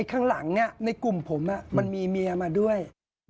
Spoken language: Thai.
ข้างหลังในกลุ่มผมมันมีเมียมาด้วย